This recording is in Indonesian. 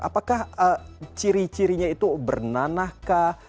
apakah ciri cirinya itu bernanah kah